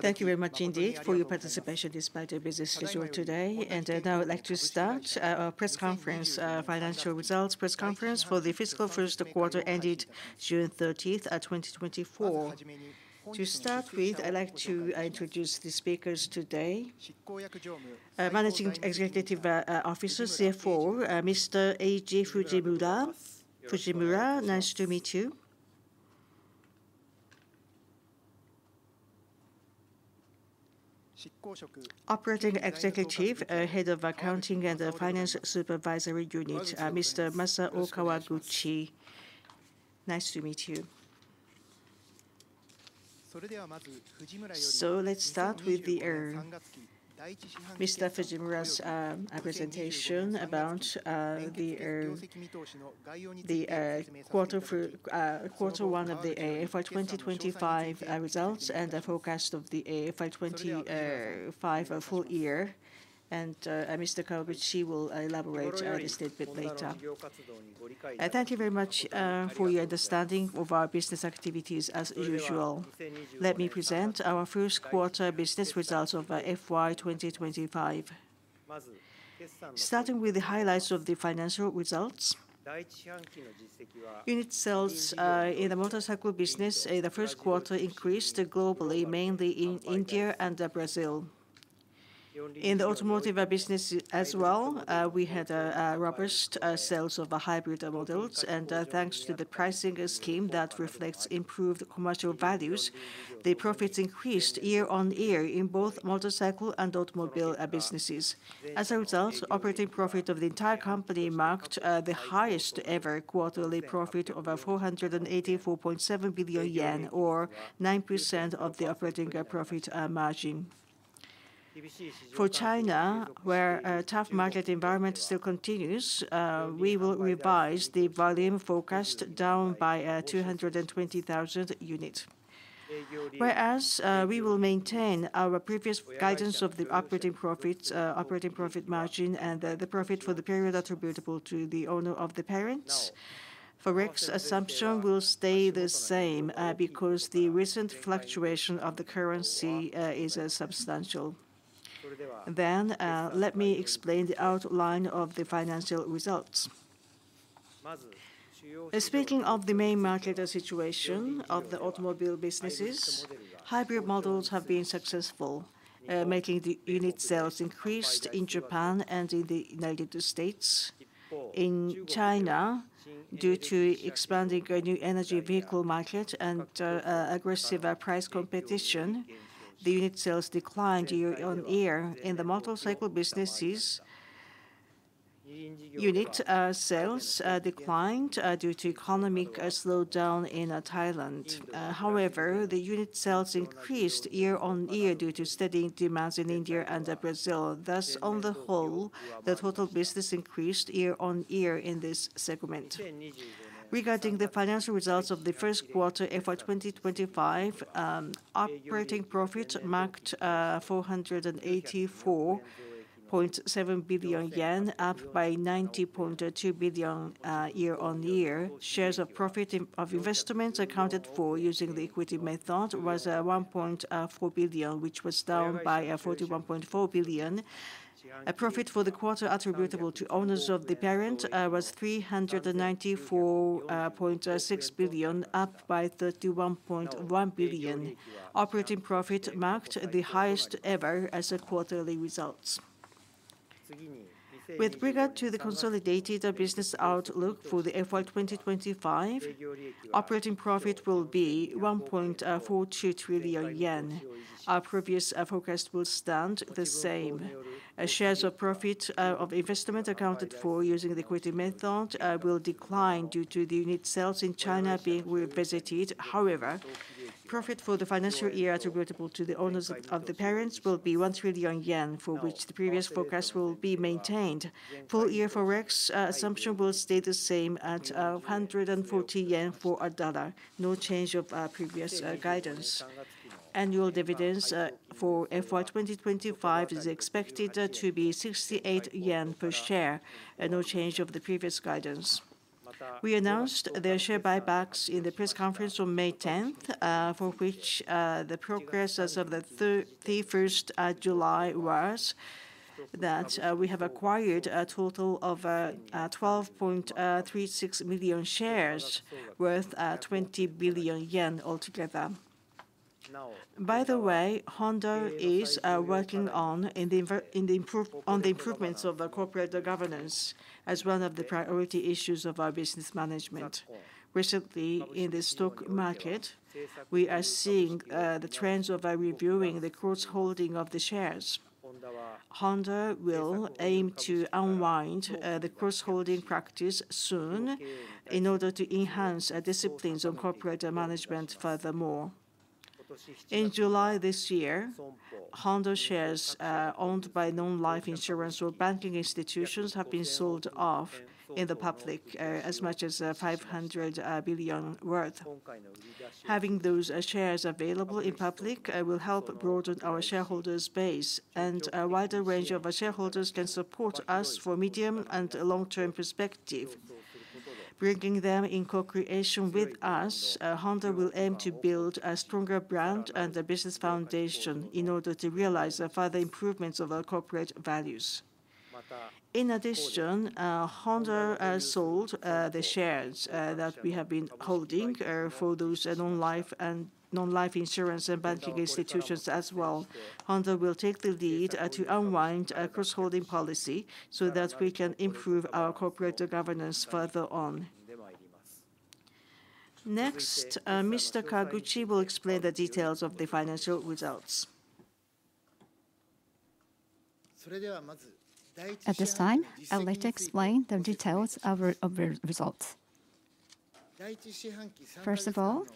Thank you very much indeed for your participation despite your busy schedule today. Now I'd like to start our press conference, financial results press conference for the fiscal first quarter ended June 30, 2024. To start with, I'd like to introduce the speakers today, Managing Executive Officer, CFO, Mr. Eiji Fujimura. Fujimura. Nice to meet you. Operating Executive, Head of Accounting and the Finance Supervisory Unit, Mr. Masao Kawaguchi. Nice to meet you. Let's start with the Mr. Fujimura's presentation about the quarter for quarter one of the FY 2025 results and the forecast of the FY 2025 full year. Mr. Kawaguchi will elaborate on this a little bit later. Thank you very much, for your understanding of our business activities as usual. Let me present our first quarter business results of FY 2025. Starting with the highlights of the financial results, unit sales in the Motorcycle business in the first quarter increased globally, mainly in India and Brazil. In the Automotive business as well, we had robust sales of the hybrid models, and thanks to the pricing scheme that reflects improved commercial values, the profits increased year-on-year in both motorcycle and Automobile businesses. As a result, operating profit of the entire company marked the highest ever quarterly profit of 484.7 billion yen, or 9% of the operating profit margin. For China, where a tough market environment still continues, we will revise the volume forecast down by 220,000 units. Whereas, we will maintain our previous guidance of the operating profits, operating profit margin, and the profit for the period attributable to the owners of the parent. forex assumption will stay the same, because the recent fluctuation of the currency is substantial. Then, let me explain the outline of the financial results. Speaking of the main market situation of the Automobile businesses, hybrid models have been successful, making the unit sales increased in Japan and in the United States. In China, due to expanding our new energy vehicle market and aggressive price competition, the unit sales declined year-on-year. In the Motorcycle businesses, unit sales declined due to economic slowdown in Thailand. However, the unit sales increased year-on-year due to steady demands in India and Brazil. Thus, on the whole, the total business increased year-on-year in this segment. Regarding the financial results of the first quarter, FY 2025, operating profit marked 484.7 billion yen, up by 90.2 billion year-on-year. Shares of profit in, of investments accounted for using the equity method was 1.4 billion, which was down by 41.4 billion. A profit for the quarter attributable to owners of the parent was 394.6 billion, up by 31.1 billion. Operating profit marked the highest ever as a quarterly results. With regard to the consolidated business outlook for the FY 2025, operating profit will be 1.42 trillion yen. Our previous forecast will stand the same. Shares of profit of investment accounted for using the equity method will decline due to the unit sales in China being revisited. However, profit for the financial year attributable to the owners of the parents will be 1 trillion yen, for which the previous forecast will be maintained. Full year forex assumption will stay the same at 140 yen for a dollar. No change of previous guidance. Annual dividends for FY 2025 is expected to be 68 yen per share, and no change of the previous guidance. We announced the share buybacks in the press conference on May 10th, for which the progress as of July 31st was that we have acquired a total of 12.36 million shares, worth 20 billion yen altogether. By the way, Honda is working on the improvements of the corporate governance as one of the priority issues of our business management. Recently, in the stock market, we are seeing the trends of reviewing the cross-holding of the shares. Honda will aim to unwind the cross-holding practice soon in order to enhance our disciplines on corporate management furthermore. In July this year, Honda shares owned by non-life insurance or banking institutions have been sold off in the public as much as 500 billion worth. Having those shares available in public will help broaden our shareholders' base, and a wider range of our shareholders can support us for medium and long-term perspective. Bringing them in co-creation with us, Honda will aim to build a stronger brand and a business foundation in order to realize the further improvements of our corporate values. In addition, Honda sold the shares that we have been holding for those non-life and non-life insurance and banking institutions as well. Honda will take the lead to unwind a cross-holding policy so that we can improve our corporate governance further on. Next, Mr. Kawaguchi will explain the details of the financial results. At this time, I would like to explain the details of our results. First of all,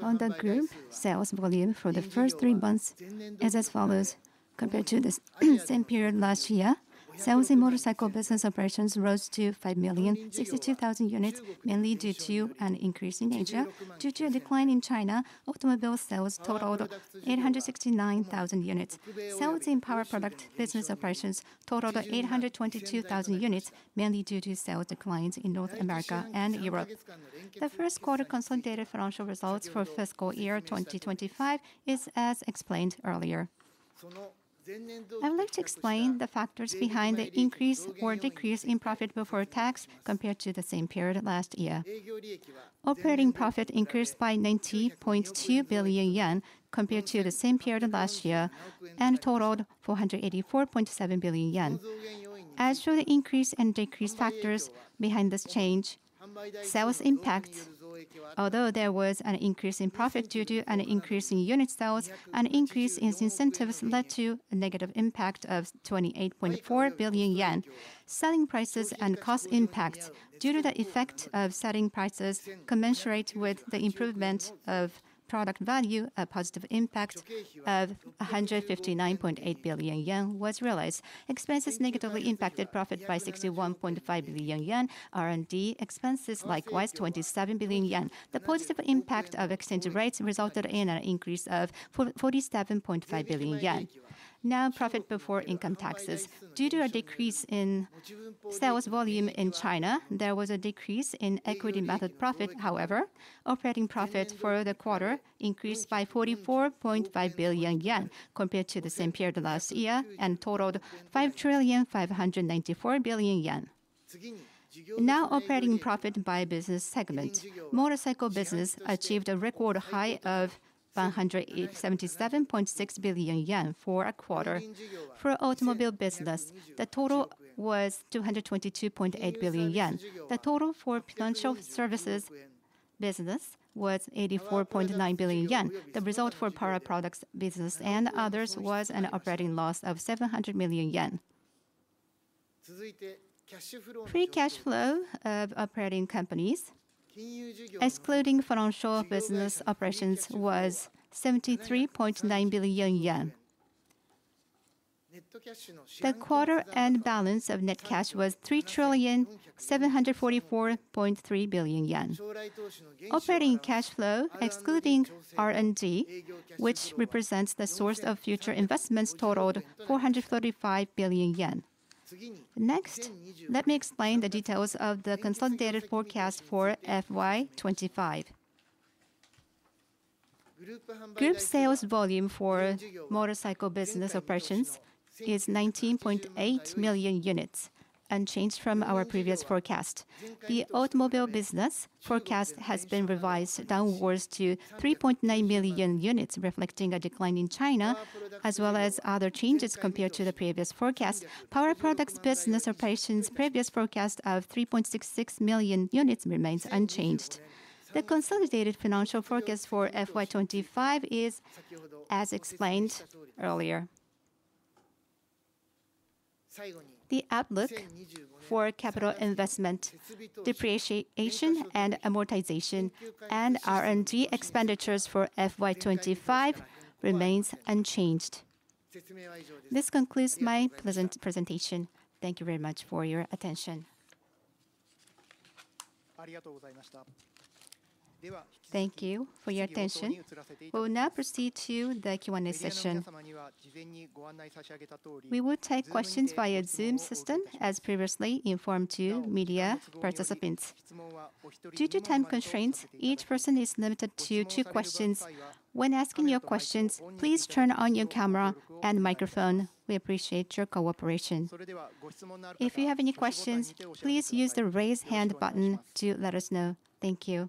Honda group sales volume for the first three months is as follows: Compared to the same period last year, sales in Motorcycle business operations rose to 5,062,000 units, mainly due to an increase in Asia. Due to a decline in China, automobile sales totaled 869,000 units. Sales in power product business operations totaled 822,000 units, mainly due to sales declines in North America and Europe. The first quarter consolidated financial results for fiscal year 2025 is as explained earlier. I'd like to explain the factors behind the increase or decrease in profit before tax compared to the same period last year. Operating profit increased by 90.2 billion yen compared to the same period last year, and totaled 484.7 billion yen. As for the increase and decrease factors behind this change, sales impacts, although there was an increase in profit due to an increase in unit sales, an increase in incentives led to a negative impact of 28.4 billion yen. Selling prices and cost impacts. Due to the effect of selling prices commensurate with the improvement of product value, a positive impact of 159.8 billion yen was realized. Expenses negatively impacted profit by 61.5 billion yen. R&D expenses, likewise, 27 billion yen. The positive impact of exchange rates resulted in an increase of 47.5 billion yen. Now, profit before income taxes. Due to a decrease in sales volume in China, there was a decrease in equity method profit. However, operating profit for the quarter increased by 44.5 billion yen compared to the same period last year, and totaled 5.594 trillion. Now operating profit by business segment. Motorcycle business achieved a record high of 177.6 billion yen for a quarter. For Automobile business, the total was 222.8 billion yen. The total for financial services business was 84.9 billion yen. The result for Power Products business and others was an operating loss of 700 million yen. Free cash flow of operating companies, excluding financial business operations, was 73.9 billion yen. The quarter-end balance of net cash was 3.7443 trillion. Operating cash flow, excluding R&D, which represents the source of future investments, totaled 435 billion yen. Next, let me explain the details of the consolidated forecast for FY 2025. Group sales volume for Motorcycle business operations is 19.8 million units, unchanged from our previous forecast. The Automobile business forecast has been revised downwards to 3.9 million units, reflecting a decline in China, as well as other changes compared to the previous forecast. Power Products business operations' previous forecast of 3.66 million units remains unchanged. The consolidated financial forecast for FY 2025 is as explained earlier. The outlook for capital investment, depreciation and amortization, and R&D expenditures for FY 2025 remains unchanged. This concludes my presentation. Thank you very much for your attention. Thank you for your attention. We will now proceed to the Q&A session. We will take questions via Zoom system, as previously informed to media participants. Due to time constraints, each person is limited to two questions. When asking your questions, please turn on your camera and microphone. We appreciate your cooperation. If you have any questions, please use the raise hand button to let us know. Thank you.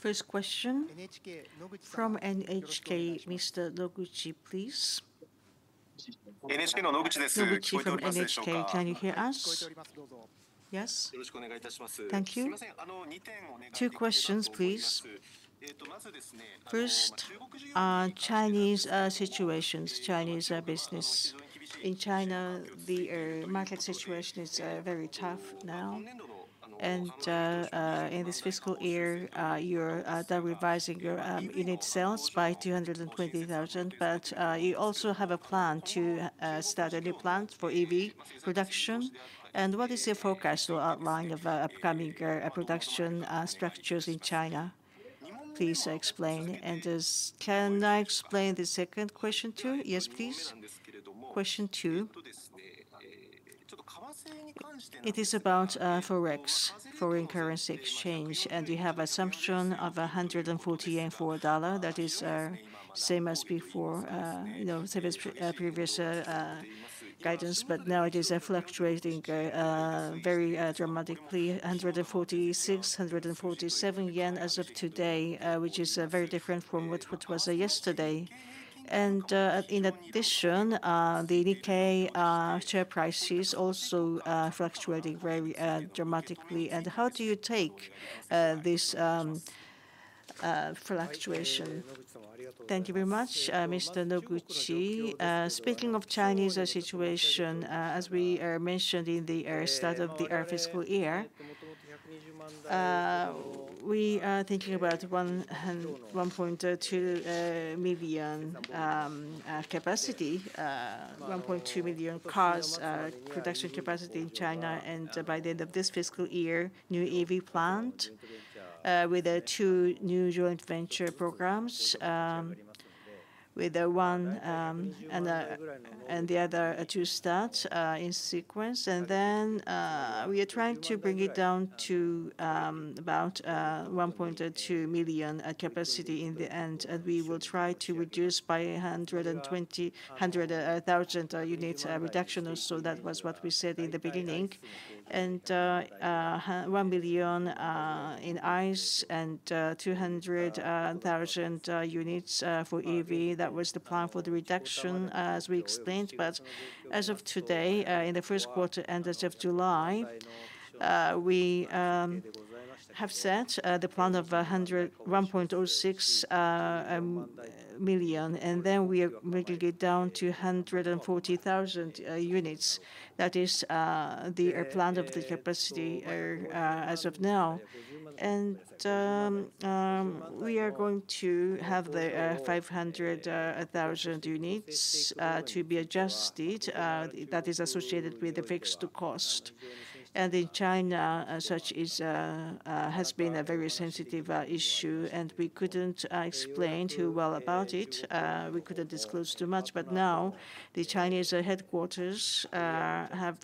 First question from NHK, Mr. Noguchi, please. NHK Noguchi. Noguchi from NHK, can you hear us? Yes. Thank you. Two questions, please. First, Chinese situations, Chinese business. In China, the market situation is very tough now. In this fiscal year, they're revising your unit sales by 220,000. But you also have a plan to start a new plant for EV production. What is your forecast or outline of upcoming production structures in China? Please explain. Can I explain the second question, too? Yes, please. Question two. It is about forex, foreign currency exchange, and we have assumption of 140 yen for a dollar. That is same as before, you know, same as previous guidance. But now it is fluctuating very dramatically, 146-147 yen as of today, which is very different from what was yesterday. And in addition, the Nikkei share prices also fluctuating very dramatically. And how do you take this fluctuation? Thank you very much. Mr. Noguchi, speaking of Chinese situation, as we mentioned in the start of the fiscal year, we are thinking about 1.2 million capacity, 1.2 million cars production capacity in China. And by the end of this fiscal year, new EV plant with two new joint venture programs, with one and the other to start in sequence. Then we are trying to bring it down to about 1.2 million capacity in the end, and we will try to reduce by 120,000 units reduction. So that was what we said in the beginning. One million in ICE and 200,000 units for EV. That was the plan for the reduction, as we explained. But as of today, in the first quarter and as of July, we have set the plan of 1.06 million, and then we are making it down to 140,000 units. That is the plan of the capacity as of now. We are going to have the 500,000 units to be adjusted that is associated with the fixed cost. In China, such has been a very sensitive issue, and we couldn't explain too well about it. We couldn't disclose too much. But now the Chinese headquarters have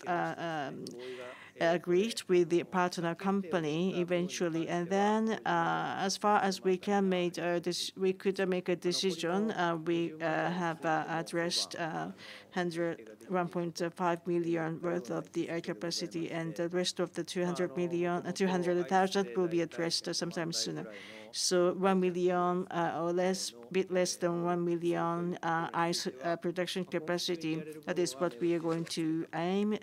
agreed with the partner company eventually. Then, as far as we can make this, we could make a decision, we have addressed 101.5 million worth of the capacity, and the rest of the 200,000 will be addressed sometime sooner. So 1 million, or less, bit less than 1 million, ICE production capacity, that is what we are going to aim.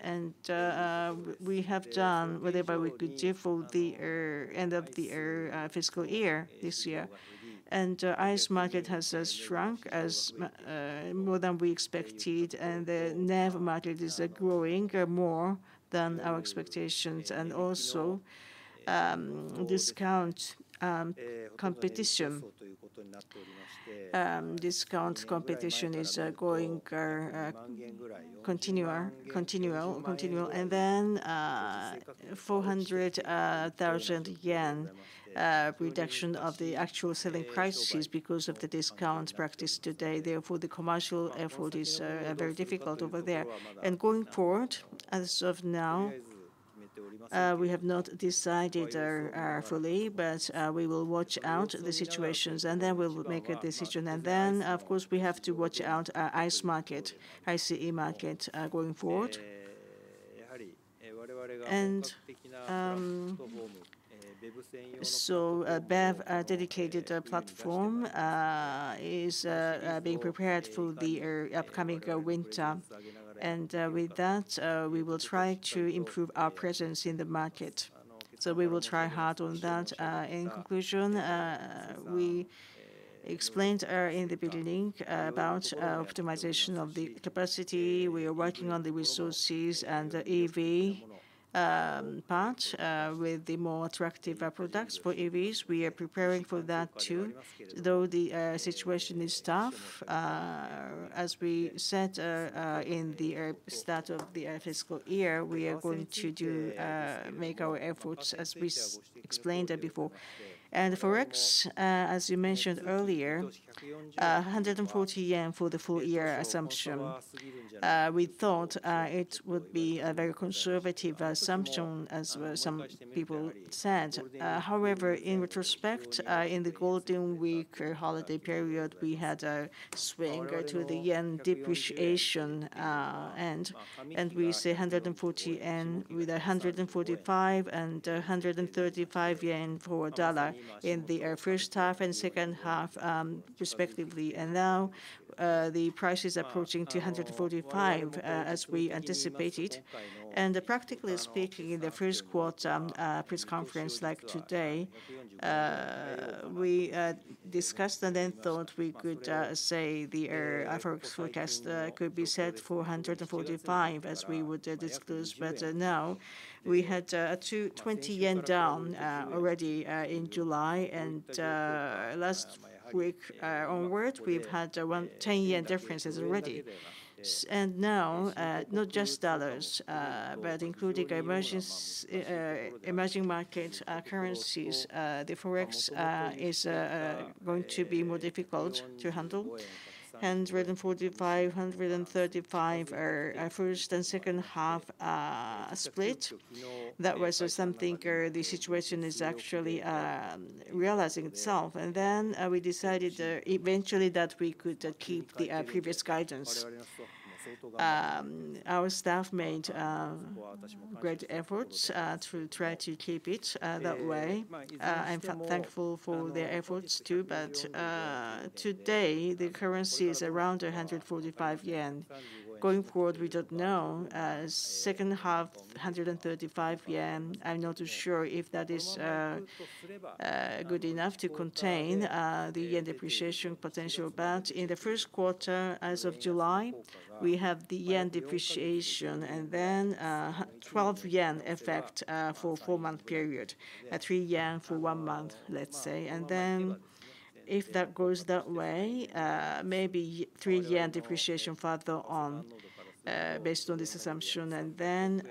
We have done whatever we could do for the end of the fiscal year this year. The ICE market has shrunk more than we expected, and the NEV market is growing more than our expectations. Also, discount competition is going continual. Then, 400,000 yen reduction of the actual selling prices because of the discount practice today. Therefore, the commercial effort is very difficult over there. Going forward, as of now, we have not decided fully, but we will watch out the situations, and then we'll make a decision. Then, of course, we have to watch out our ICE market going forward. And, so, BEV dedicated platform is being prepared for the upcoming winter. And, with that, we will try to improve our presence in the market. So we will try hard on that. In conclusion, we explained in the beginning about optimization of the capacity. We are working on the resources and the EV part with the more attractive products for EVs. We are preparing for that, too. Though the situation is tough, as we said, in the start of the fiscal year, we are going to do make our efforts, as we explained it before. And forex, as you mentioned earlier, 140 yen for the full year assumption. We thought it would be a very conservative assumption, as some people said. However, in retrospect, in the Golden Week holiday period, we had a swing to the yen depreciation, and we say 140 yen, with 145 and 135 yen for a dollar in the first half and second half, respectively. And now the price is approaching to 145, as we anticipated. And practically speaking, in the first quarter press conference like today, we discussed and then thought we could say the forex forecast could be set for 145, as we would disclose. But now we had 20 yen down already in July, and last week onward, we've had 10 yen differences already. And now, not just dollars, but including emerging market currencies, the forex is going to be more difficult to handle. 145, 135 are our first and second half split. That was something; the situation is actually realizing itself. And then we decided eventually that we could keep the previous guidance. Our staff made great efforts to try to keep it that way. I'm thankful for their efforts, too, but today, the currency is around 145 yen. Going forward, we don't know. Second half, 135 yen. I'm not too sure if that is good enough to contain the yen depreciation potential. But in the first quarter, as of July, we have the yen depreciation and then 12 yen effect for four-month period, 3 yen for one month, let's say. And then, if that goes that way, maybe 3 yen depreciation further on based on this assumption. And then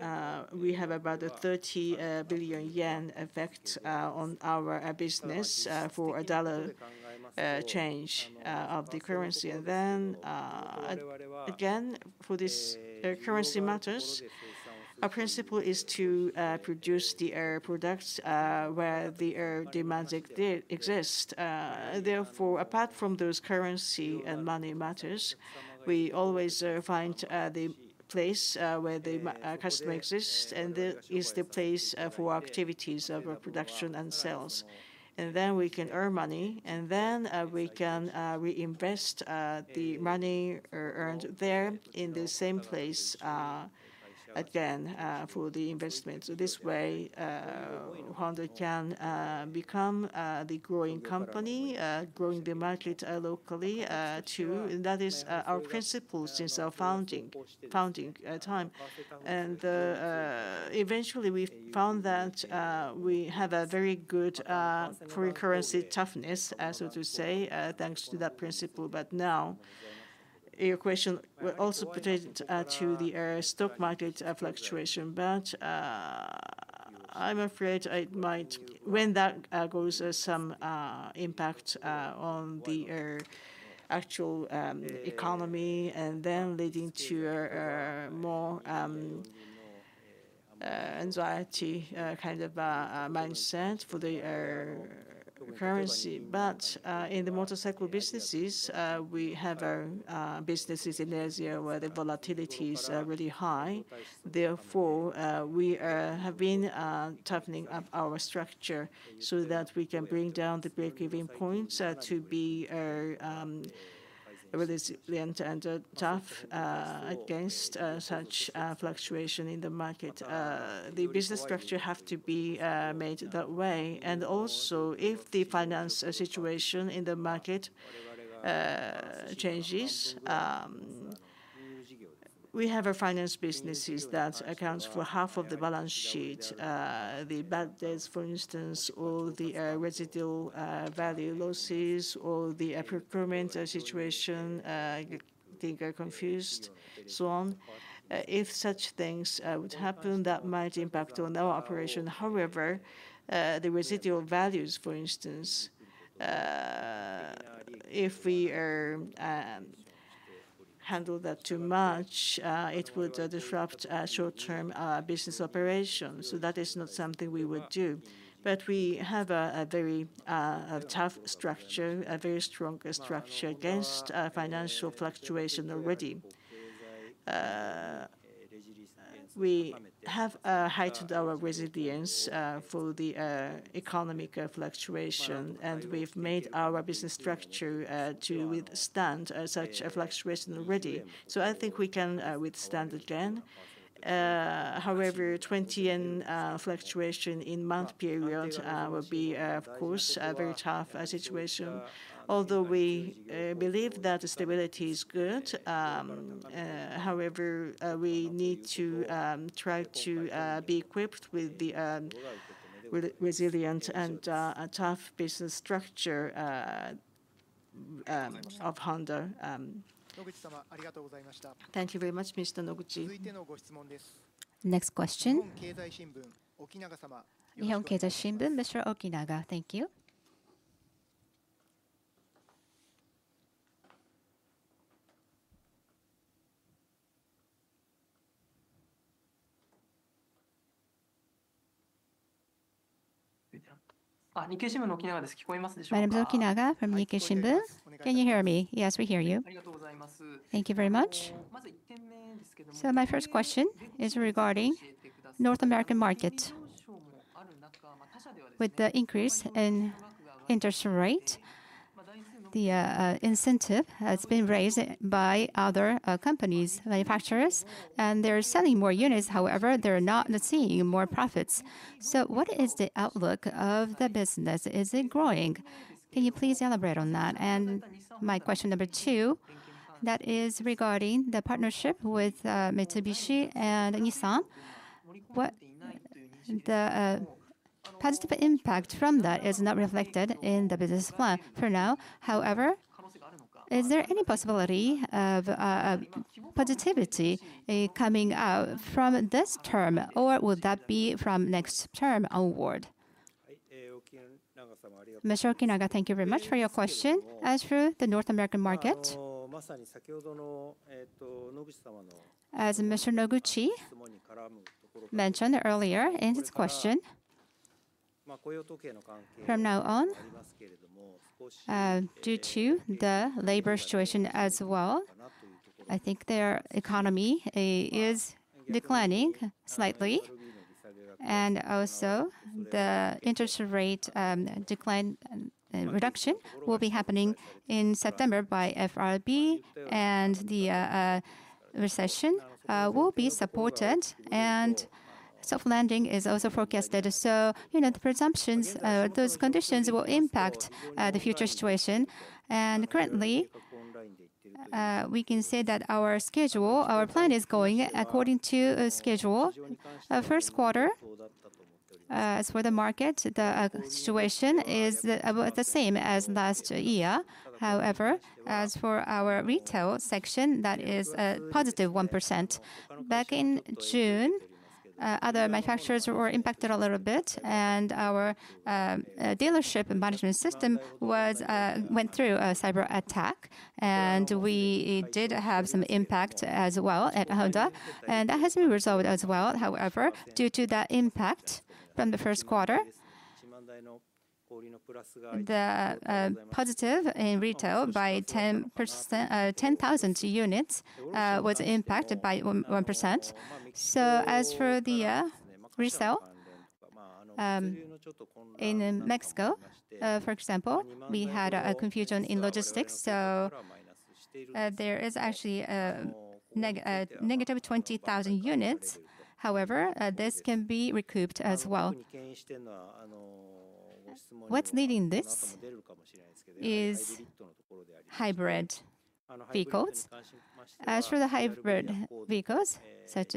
we have about a 30 billion yen effect on our business for a $1 change of the currency. And then again, for this currency matters, our principle is to produce the products where the demand exists. Therefore, apart from those currency and money matters, we always find the place where the customer exists, and that is the place for activities of production and sales. And then we can earn money, and then we can reinvest the money earned there in the same place again for the investment. So this way, Honda can become the growing company, growing the market locally too, and that is our principle since our founding time. And eventually, we found that we have a very good for currency toughness, so to say, thanks to that principle. But now, your question will also pertain to the stock market fluctuation. But I'm afraid I might... When that causes some impact on the actual economy and then leading to a more anxiety kind of mindset for the currency. But in the Motorcycle businesses, we have businesses in Asia, where the volatility is really high. Therefore, we have been toughening up our structure so that we can bring down the break-even points to be resilient and tough against such fluctuation in the market. The business structure have to be made that way. And also, if the finance situation in the market changes, we have a finance businesses that accounts for half of the balance sheet. The bad debts, for instance, or the residual value losses, or the procurement situation get confused, so on. If such things would happen, that might impact on our operation. However, the residual values, for instance, if we are handle that too much, it would disrupt short-term business operations, so that is not something we would do. But we have a very tough structure, a very strong structure against financial fluctuation already. We have heightened our resilience for the economic fluctuation, and we've made our business structure to withstand such a fluctuation already. So I think we can withstand again. However, 20 yen fluctuation in a month period will be, of course, a very tough situation. Although we believe that stability is good, however, we need to try to be equipped with the resilient and tough business structure of Honda. Thank you very much, Mr. Noguchi. Next question. Nihon Keizai Shimbun, Mr. Okinaga. Thank you. Nikkei Shimbun, Okinaga. Can you hear me? Yes, we hear you. Thank you very much. So my first question is regarding North American market. With the increase in interest rate, the incentive has been raised by other companies, manufacturers, and they're selling more units. However, they're not seeing more profits. So what is the outlook of the business? Is it growing? Can you please elaborate on that? And my question number two, that is regarding the partnership with Mitsubishi and Nissan. The positive impact from that is not reflected in the business plan for now. However, is there any possibility of positivity coming out from this term, or would that be from next term onward? Mr. Okinaga, thank you very much for your question. As for the North American market, as Mr. Noguchi mentioned earlier in his question, from now on, due to the labor situation as well, I think their economy is declining slightly. And also, the interest rate decline and reduction will be happening in September by FRB, and the recession will be supported, and soft landing is also forecasted. So, you know, the presumptions, those conditions will impact the future situation. And currently, we can say that our schedule, our plan is going according to schedule. First quarter, as for the market, the situation is the same as last year. However, as for our retail section, that is a positive 1%. Back in June, other manufacturers were impacted a little bit, and our dealership and management system went through a cyberattack, and we did have some impact as well at Honda, and that has been resolved as well. However, due to that impact from the first quarter, the positive in retail by 10,000 units, was impacted by 1%. So as for the resale in Mexico, for example, we had a confusion in logistics, so there is actually -20,000 units. However, this can be recouped as well. What's leading this is hybrid vehicles. As for the hybrid vehicles, such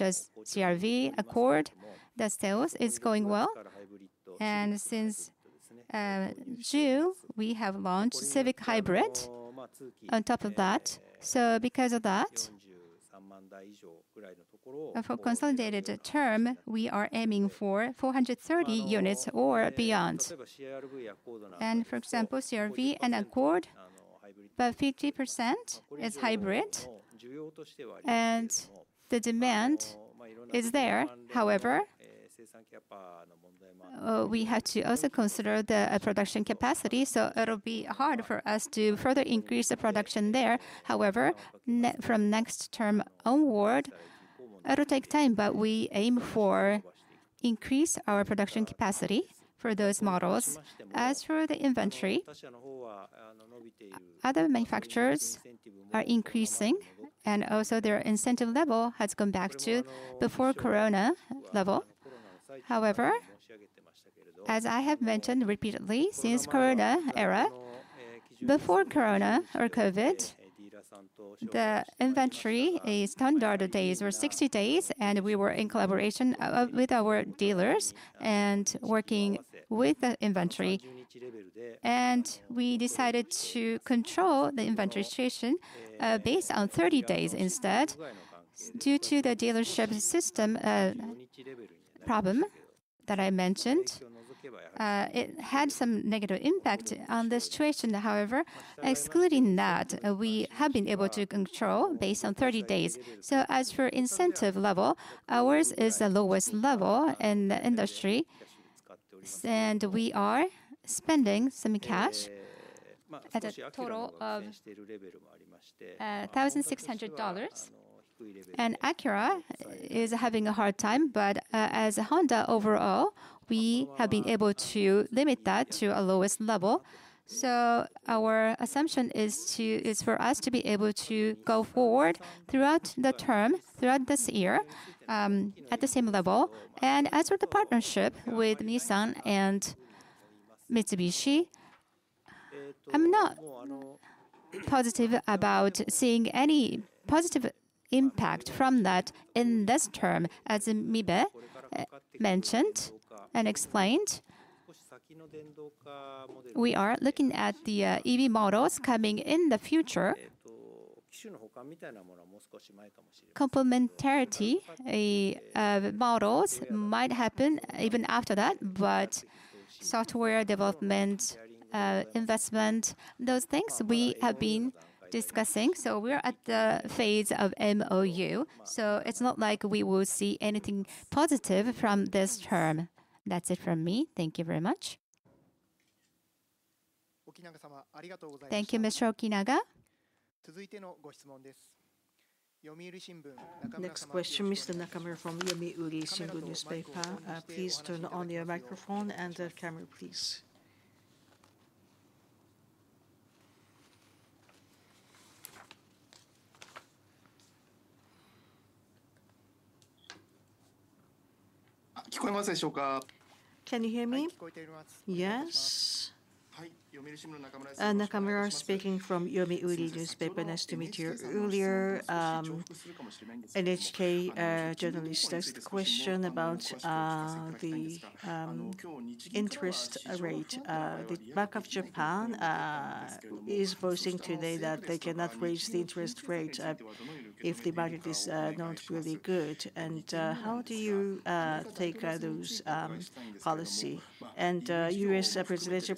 as CR-V, Accord, the sales is going well. And since June, we have launched Civic Hybrid on top of that. So because of that, for consolidated term, we are aiming for 430 units or beyond. And for example, CR-V and Accord, about 50% is hybrid, and the demand is there. However, we have to also consider the production capacity, so it'll be hard for us to further increase the production there. However, from next term onward, it'll take time, but we aim for increase our production capacity for those models. As for the inventory, other manufacturers are increasing, and also their incentive level has gone back to before corona level. However, as I have mentioned repeatedly since corona era, before corona or COVID, the inventory is standard days or 60 days, and we were in collaboration with our dealers and working with the inventory. And we decided to control the inventory situation, based on 30 days instead. Due to the dealership system problem that I mentioned, it had some negative impact on the situation. However, excluding that, we have been able to control based on 30 days. So as for incentive level, ours is the lowest level in the industry, and we are spending some cash at a total of $1,600. Acura is having a hard time, but as Honda overall, we have been able to limit that to our lowest level. So our assumption is for us to be able to go forward throughout the term, throughout this year, at the same level. As for the partnership with Nissan and Mitsubishi, I'm not positive about seeing any positive impact from that in this term. As Mibe mentioned and explained, we are looking at the EV models coming in the future. Complementarity, models might happen even after that, but software development, investment, those things we have been discussing. So we're at the phase of MOU, so it's not like we will see anything positive from this term. That's it from me. Thank you very much. Thank you, Mr. Okinaga. Next question, Mr. Nakamura from Yomiuri Shimbun Newspaper. Please turn on your microphone and camera, please. Can you hear me? Yes. Nakamura speaking from Yomiuri Newspaper. Nice to meet you. Earlier, NHK journalist asked question about the interest rate. The Bank of Japan is voicing today that they cannot raise the interest rate if the market is not really good. And how do you take those policy? And U.S. presidential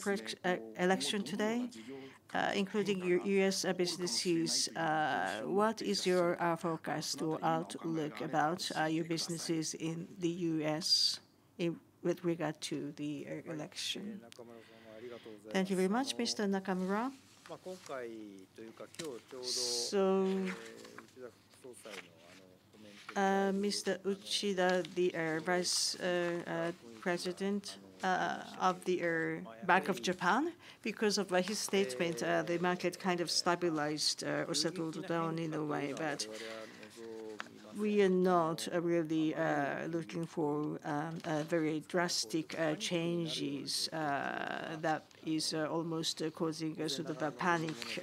election today, including your U.S. businesses, what is your forecast or outlook about your businesses in the U.S. with regard to the election? Thank you very much, Mr. Nakamura. So, Mr. Uchida, the Vice President of the Bank of Japan, because of his statement, the market kind of stabilized or settled down in a way. But we are not really looking for very drastic changes. That is almost causing a sort of a panic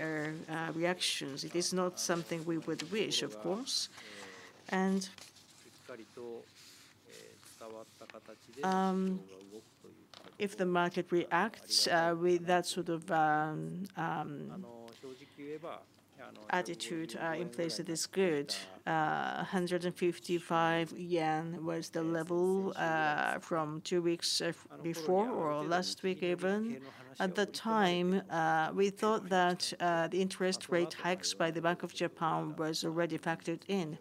reactions. It is not something we would wish, of course. And, if the market reacts with that sort of attitude in place, it is good. 155 yen was the level from two weeks of before or last week even. At that time, we thought that the interest rate hikes by the Bank of Japan was already factored in,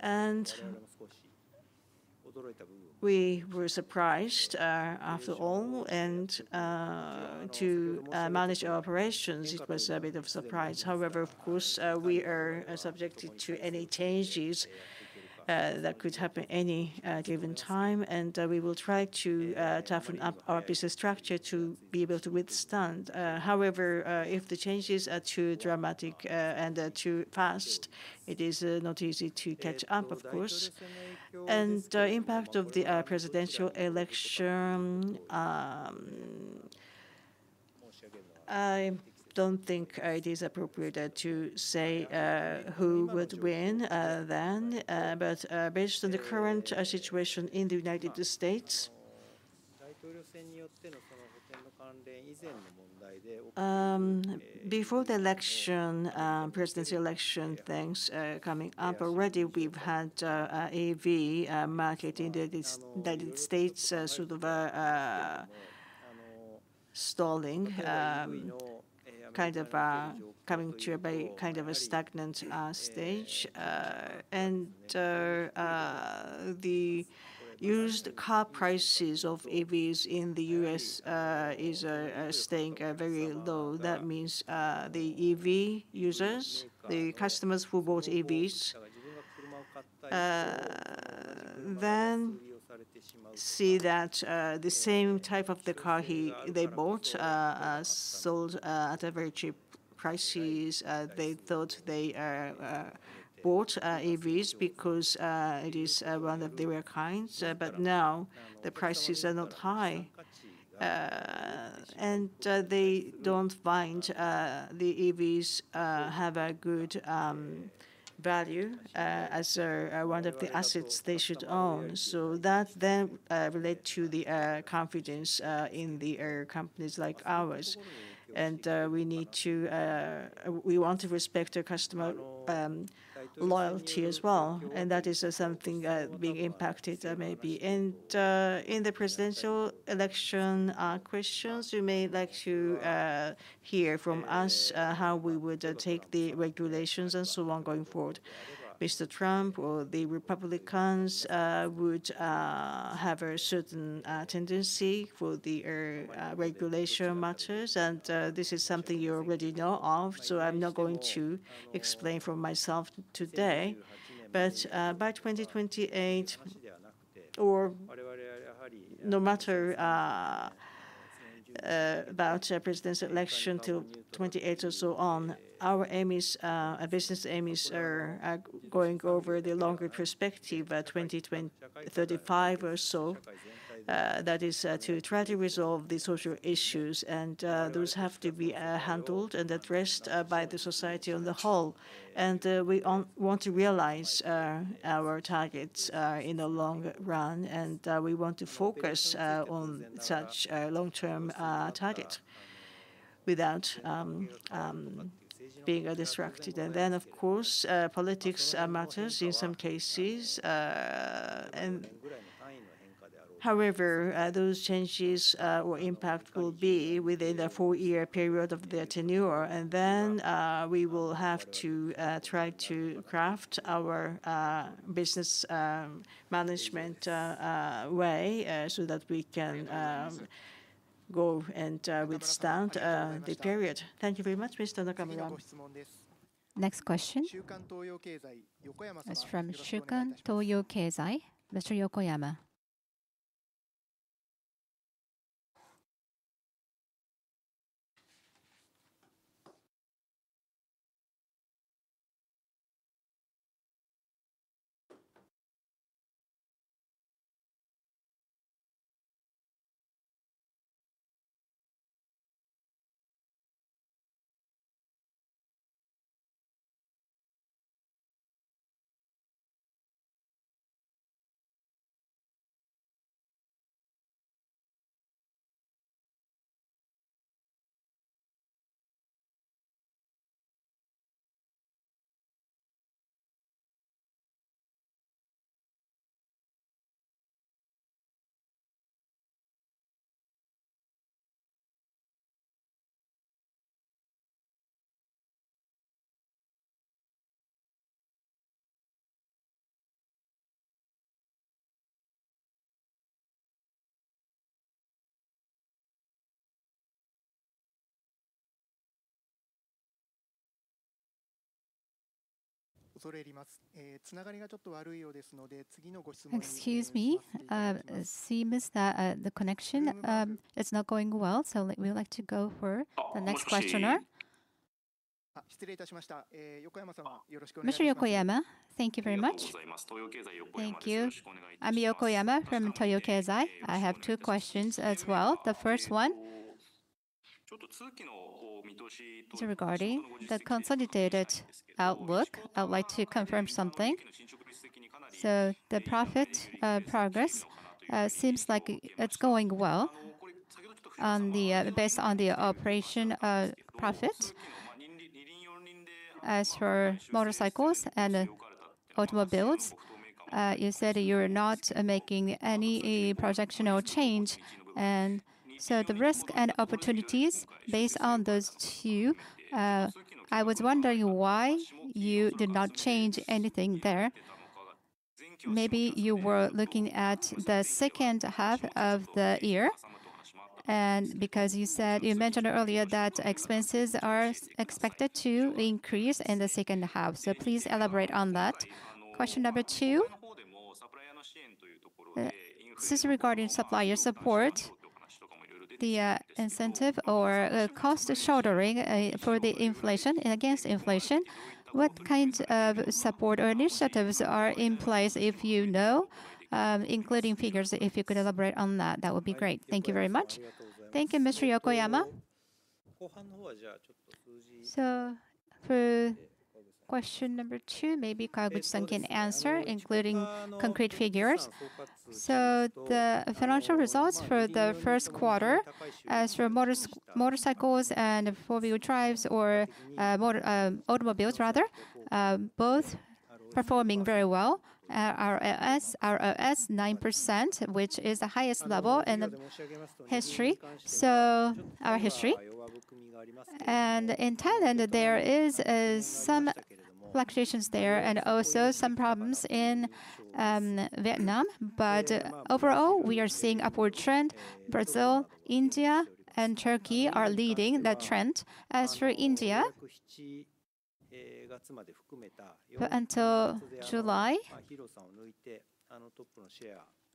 and we were surprised after all. And, to manage our operations, it was a bit of surprise. However, of course, we are subjected to any changes that could happen any given time, and we will try to toughen up our business structure to be able to withstand. However, if the changes are too dramatic and too fast, it is not easy to catch up, of course. And impact of the presidential election, I don't think it is appropriate to say who would win, then. But based on the current situation in the United States, before the election, presidential election, things coming up, already we've had a EV market in the United States sort of stalling. Kind of coming to a very kind of a stagnant stage. And, the used car prices of EVs in the U.S. is staying very low. That means, the EV users, the customers who bought EVs, then see that, the same type of the car he, they bought, sold, at a very cheap prices. They thought they bought EVs because it is one of the rare kinds, but now the prices are not high, and they don't find the EVs have a good value as one of the assets they should own. So that then relate to the confidence in the companies like ours. And, we need to, we want to respect our customer loyalty as well, and that is something being impacted, maybe. In the presidential election questions, you may like to hear from us how we would take the regulations and so on going forward. Mr. Trump or the Republicans would have a certain tendency for the regulation matters, and this is something you already know of, so I'm not going to explain for myself today. By 2028 or no matter about president's election till 2028 or so on, our aim is, our business aim is going over the longer perspective, 2035 or so. That is to try to resolve the social issues, and those have to be handled and addressed by the society on the whole. We want to realize our targets in the long run, and we want to focus on such a long-term target without being distracted. And then, of course, politics matters in some cases. And however, those changes or impact will be within the four-year period of their tenure. And then we will have to try to craft our business management way so that we can go and withstand the period. Thank you very much, Mr. Nakamura. Next question is from Shukan Toyo Keizai, Mr. Yokoyama. Excuse me, seems that the connection it's not going well, so we would like to go for the next questioner. Mr. Yokoyama, thank you very much. Thank you. I'm Yokoyama from Toyo Keizai. I have two questions as well. The first one is regarding the consolidated outlook. I would like to confirm something. So the profit progress seems like it's going well on the based on the operating profit. As for Motorcycles and Automobiles, you said you're not making any projection or change. And so the risk and opportunities based on those two, I was wondering why you did not change anything there. Maybe you were looking at the second half of the year, and because you said, you mentioned earlier that expenses are expected to increase in the second half. So please elaborate on that. Question number two, this is regarding supplier support, the incentive or cost sharing for the inflation and against inflation. What kind of support or initiatives are in place, if you know, including figures, if you could elaborate on that, that would be great? Thank you very much. Thank you, Mr. Yokoyama. So for question number two, maybe Kawaguchi-san can answer, including concrete figures. So the financial results for the first quarter, as for Motorcycles and Four-Wheel Drives or Automobiles rather, both performing very well. Our ROS 9%, which is the highest level in our history. And in Thailand, there is some fluctuations there, and also some problems in Vietnam. But overall, we are seeing upward trend. Brazil, India, and Turkey are leading that trend. As for India, until July,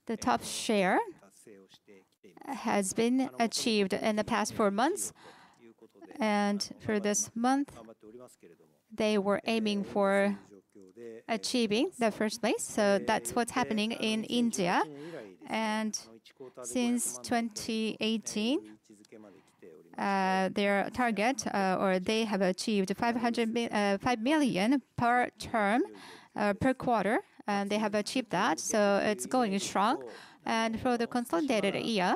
the top share has been achieved in the past four months, and for this month, they were aiming for achieving the first place. So that's what's happening in India. And since 2018, their target, or they have achieved 5 million per quarter, and they have achieved that. So it's going strong. For the consolidated year,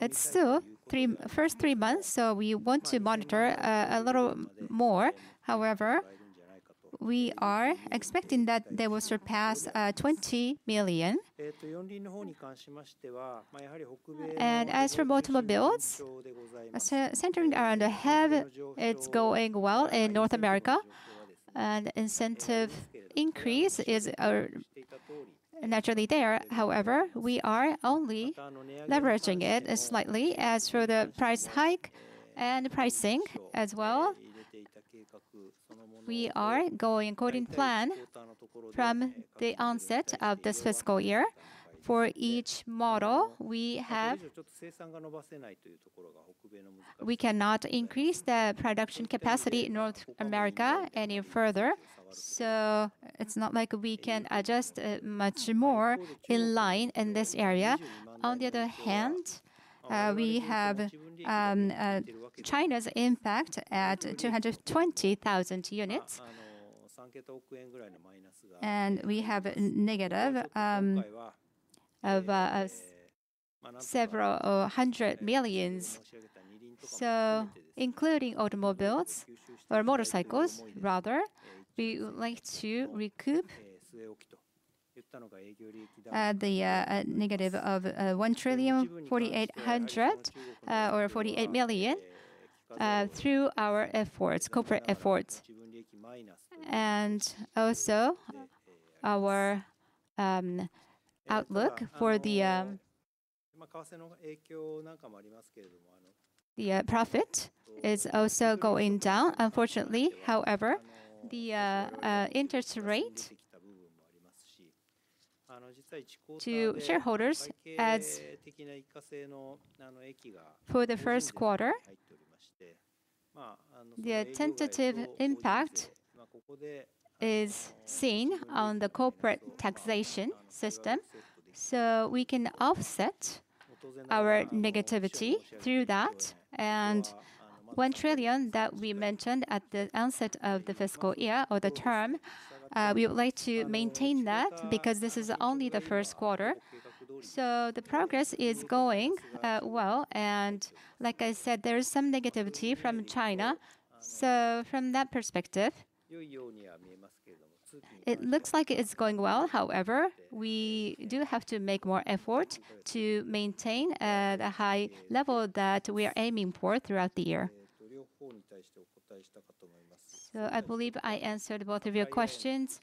it's still the first three months, so we want to monitor a little more. However, we are expecting that they will surpass 20 million. And as for Automobiles, centering around the half, it's going well in North America. And incentive increase is naturally there. However, we are only leveraging it slightly. As for the price hike and price sync as well, we are going according to plan from the onset of this fiscal year. For each model, we cannot increase the production capacity in North America any further. So it's not like we can adjust much more in line in this area. On the other hand, we have China's impact at 220,000 units. And we have a negative of several hundred million. So including automobiles or motorcycles rather, we would like to recoup the -1.048 trillion through our efforts, corporate efforts. And also, our outlook for the profit is also going down, unfortunately. However, the interest rate to shareholders at for the first quarter, the tentative impact is seen on the corporate taxation system, so we can offset our negativity through that. And 1 trillion that we mentioned at the onset of the fiscal year or the term, we would like to maintain that, because this is only the first quarter. So the progress is going well, and like I said, there is some negativity from China. So from that perspective, it looks like it's going well. However, we do have to make more effort to maintain the high level that we are aiming for throughout the year. So I believe I answered both of your questions.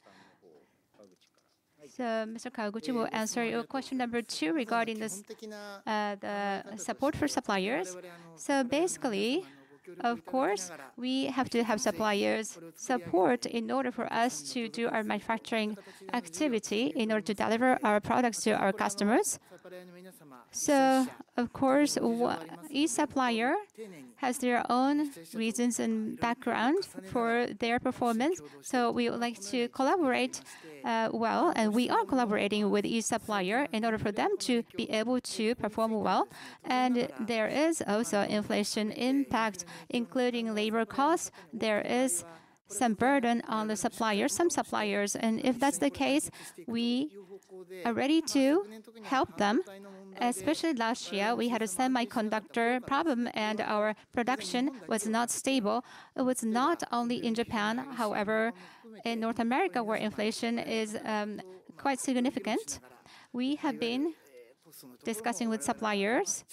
So Mr. Kawaguchi will answer your question number two regarding the support for suppliers. So basically, of course, we have to have suppliers' support in order for us to do our manufacturing activity in order to deliver our products to our customers. So of course, each supplier has their own reasons and background for their performance, so we would like to collaborate well, and we are collaborating with each supplier in order for them to be able to perform well. And there is also inflation impact, including labor costs. There is some burden on the suppliers, some suppliers, and if that's the case, we are ready to help them. Especially last year, we had a semiconductor problem, and our production was not stable. It was not only in Japan, however, in North America, where inflation is quite significant. We have been discussing with suppliers,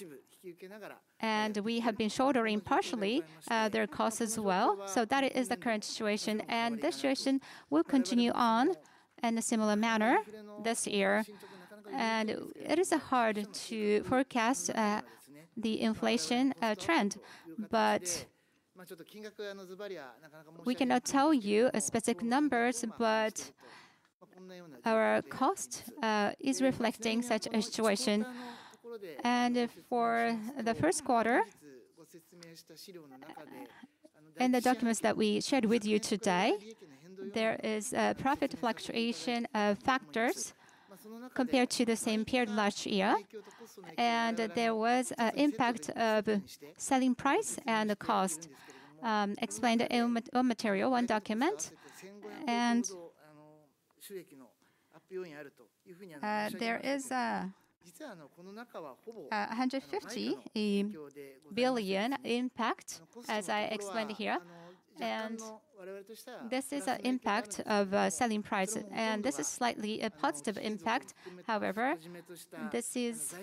and we have been shouldering partially their costs as well. So that is the current situation, and the situation will continue on in a similar manner this year. And it is hard to forecast the inflation trend. But we cannot tell you specific numbers, but our cost is reflecting such a situation. And for the first quarter, in the documents that we shared with you today, there is a profit fluctuation of factors compared to the same period last year. And there was an impact of selling price and the cost explained in one material, one document. And there is a 150 billion impact, as I explained here. And this is an impact of selling price, and this is slightly a positive impact. However, this is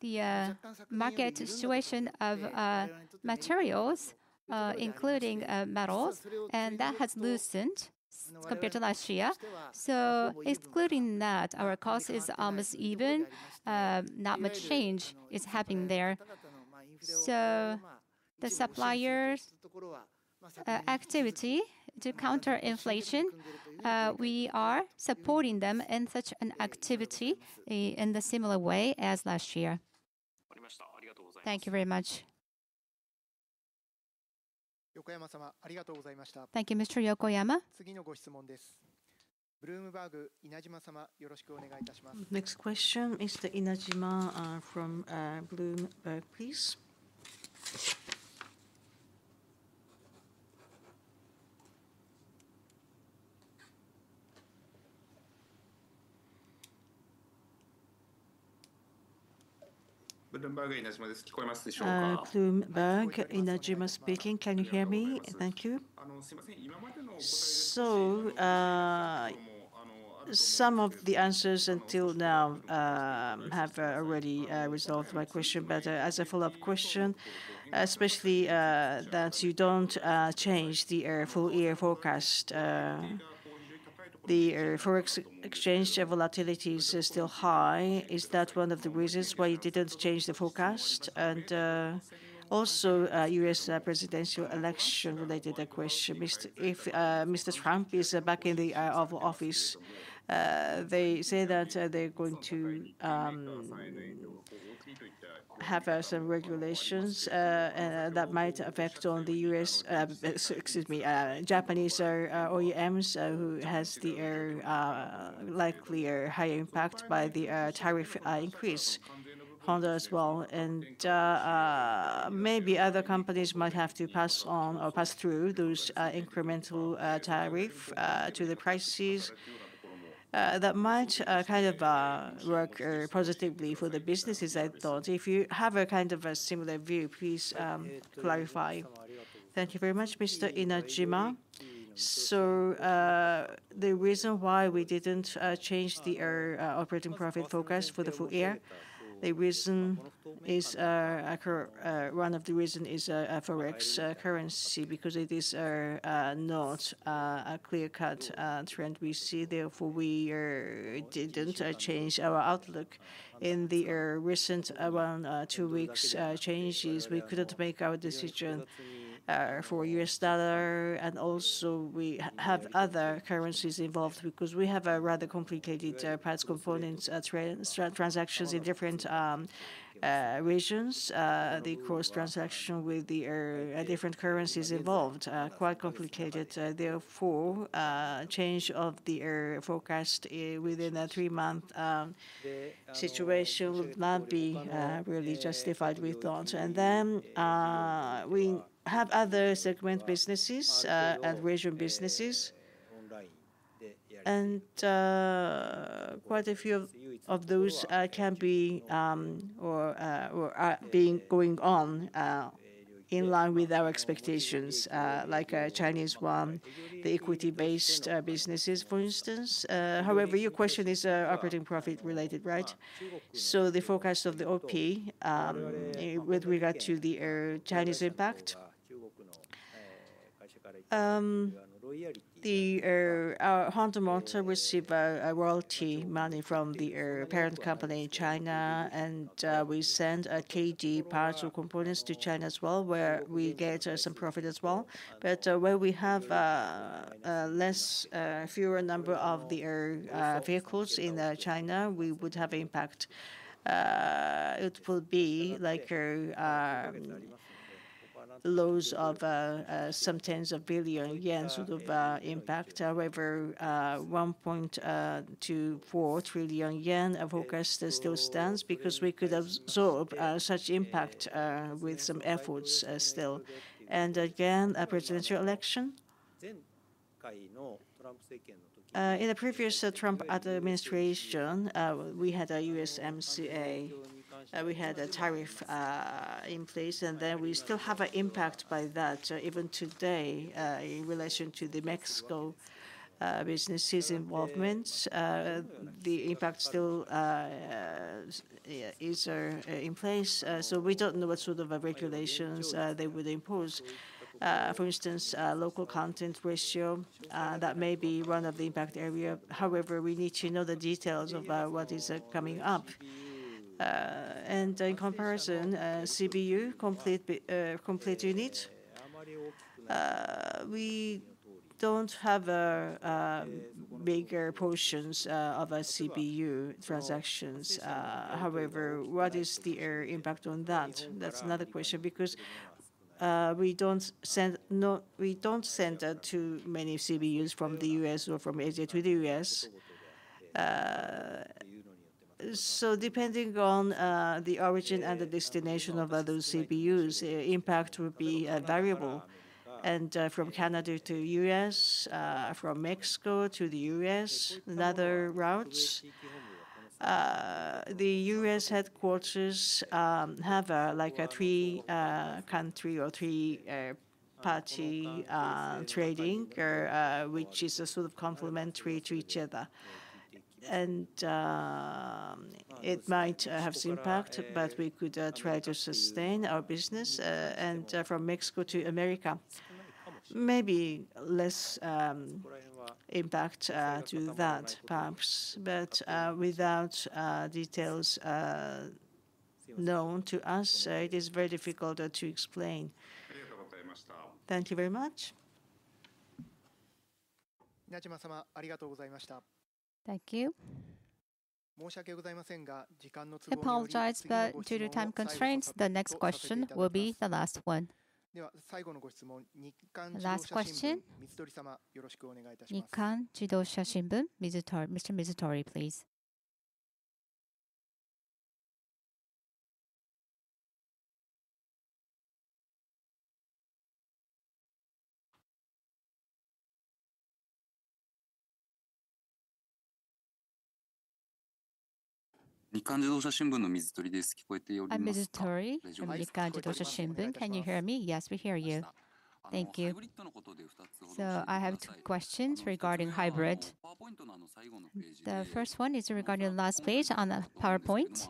the market situation of materials, including metals, and that has loosened compared to last year. So excluding that, our cost is almost even. Not much change is happening there. So the suppliers' activity to counter inflation, we are supporting them in such an activity in the similar way as last year. Thank you very much. Thank you, Mr. Yokoyama. Next question, Mr. Inajima, from Bloomberg, please. Bloomberg, Inajima speaking. Can you hear me? Thank you. So, some of the answers until now have already resolved my question. But as a follow-up question, especially, that you don't change the full year forecast the forex exchange volatility is still high. Is that one of the reasons why you didn't change the forecast? And also U.S. presidential election related question. If Mr. Trump is back in the office, they say that they're going to have some regulations that might affect on the U.S., excuse me, Japanese OEMs who has the likely or high impact by the tariff increase. Honda as well, and, maybe other companies might have to pass on or pass through those, incremental tariff to the prices. That might, kind of, work positively for the businesses, I thought. If you have a kind of a similar view, please, clarify. Thank you very much, Mr. Inajima. So, the reason why we didn't, change the, operating profit forecast for the full year, the reason is... One of the reason is, forex, currency because it is not a clear-cut trend we see. Therefore, we didn't change our outlook. In the, recent, around, two weeks changes, we couldn't make our decision for U.S. dollar. And also we have other currencies involved because we have a rather complicated parts, components, transactions in different regions. The cross transaction with the different currencies involved quite complicated. Therefore, change of the forecast within a three-month situation would not be really justified, we thought. And then, we have other segment businesses and region businesses. And quite a few of those can be or are being going on in line with our expectations. Like Chinese one, the equity-based businesses for instance. However, your question is operating profit related, right? So the forecast of the OP with regard to the Chinese impact. Honda Motor receives a royalty money from the parent company in China, and we send KD parts or components to China as well, where we get some profit as well. But where we have less fewer number of the vehicles in China, we would have impact. It will be like losses of some tens of billions yen, sort of impact. However, 1.0 trillion-4 trillion yen of forecast still stands, because we could absorb such impact with some efforts still. And again, a presidential election. In the previous Trump administration, we had a USMCA, we had a tariff in place, and then we still have an impact by that, even today, in relation to the Mexico businesses involvements. The impact still is in place. So we don't know what sort of regulations they would impose. For instance, local content ratio, that may be one of the impact area. However, we need to know the details about what is coming up. And in comparison, CBU, Complete Unit, we don't have bigger portions of our CBU transactions. However, what is the impact on that? That's another question, because, we don't send too many CBUs from the U.S. or from Asia to the U.S. So depending on the origin and the destination of other CBUs, impact will be variable. And from Canada to U.S., from Mexico to the U.S., and other routes, the U.S. headquarters have like a three-country or three-party trading which is a sort of complementary to each other. And it might have some impact, but we could try to sustain our business. And from Mexico to America, maybe less impact to that perhaps. But without details known to us, it is very difficult to explain. Thank you very much. Thank you. I apologize, but due to time constraints, the next question will be the last one. Last question. Nikkan Jidosha Shimbun, Mizutori. Mr. Mizutori, please. I'm Mizutori from Nikkan Jidosha Shimbun. Can you hear me? Yes, we hear you. Thank you. I have two questions regarding hybrid. The first one is regarding the last page on the PowerPoint.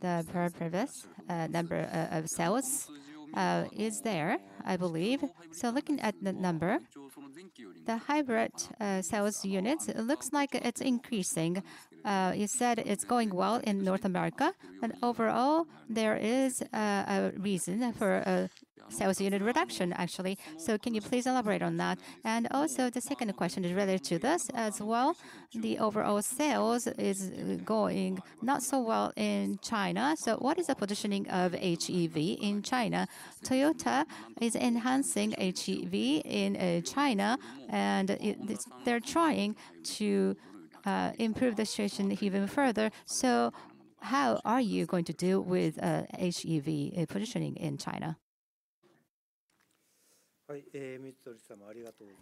The previous number of sales is there, I believe. So looking at the number, the hybrid sales units, it looks like it's increasing. You said it's going well in North America, but overall, there is a reason for a sales unit reduction, actually. So can you please elaborate on that? And also, the second question is related to this as well. The overall sales is going not so well in China. So what is the positioning of HEV in China? Toyota is enhancing HEV in China, and they're trying to improve the situation even further. So how are you going to deal with HEV positioning in China?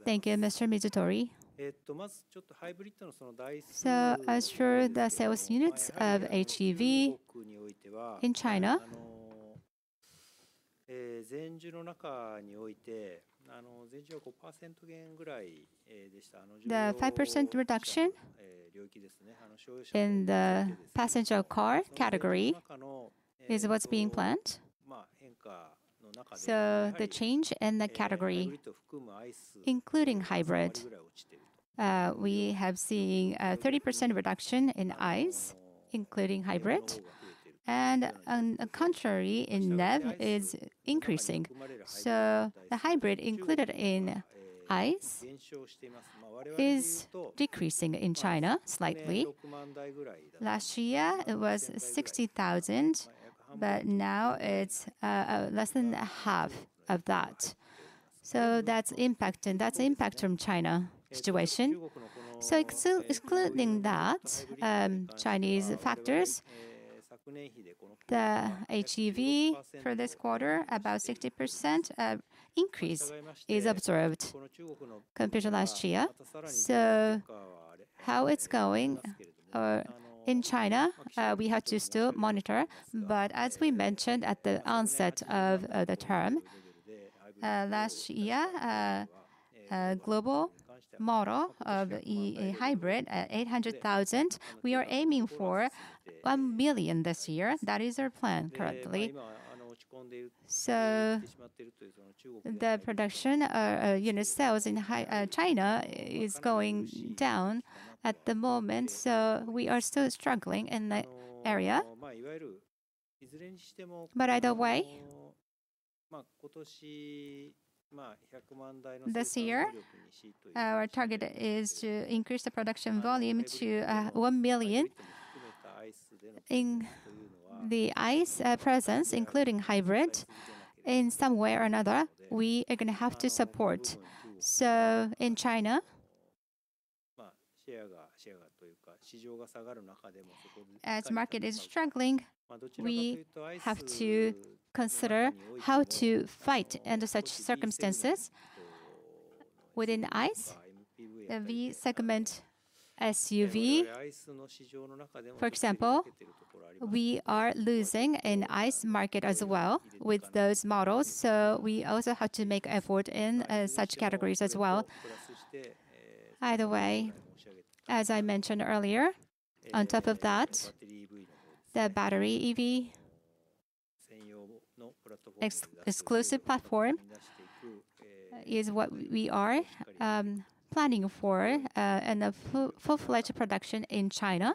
Thank you, Mr. Mizutori. So as for the sales units of HEV in China, the 5% reduction in the passenger car category is what's being planned. So the change in the category, including hybrid, we have seen a 30% reduction in ICE, including hybrid, and on the contrary, in NEV is increasing. So the hybrid included in ICE is decreasing in China slightly. Last year it was 60,000, but now it's less than half of that. So that's impact, and that's impact from China situation. So excluding that, Chinese factors, the HEV for this quarter, about 60% of increase is observed compared to last year. So how it's going in China, we have to still monitor. But as we mentioned at the onset of the term last year, global model of e:hybrid 800,000, we are aiming for 1 billion this year. That is our plan currently. So the production unit sales in China is going down at the moment, so we are still struggling in that area. But either way, this year, our target is to increase the production volume to 1 million. In the ICE presence, including hybrid, in some way or another, we are gonna have to support. So in China, as market is struggling, we have to consider how to fight under such circumstances. Within ICE, the V segment, SUV for example, we are losing in ICE market as well with those models, so we also have to make effort in such categories as well. Either way, as I mentioned earlier, on top of that, the battery EV exclusive platform is what we are planning for and full-fledged production in China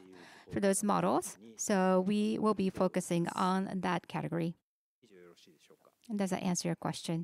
for those models, so we will be focusing on that category. Does that answer your question?